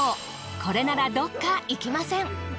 これならどっかいきません。